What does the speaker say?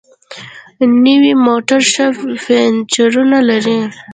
نوي موټر ښه فیچرونه لري.